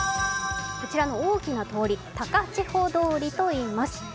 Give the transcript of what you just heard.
こちらの大きな通り、高千穂通りといいます。